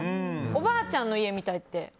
おばあちゃんの家みたいで。